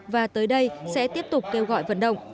và tới đây sẽ tiếp tục kêu gọi vận động